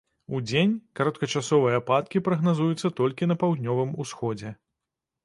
Удзень кароткачасовыя ападкі прагназуюцца толькі на паўднёвым усходзе.